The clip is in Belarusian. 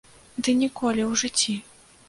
Ды ніколі ў жыцці!